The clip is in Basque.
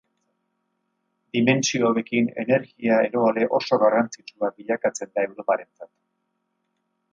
Dimentsio hauekin energia eroale oso garrantzitsua bilakatzen da Europarentzat.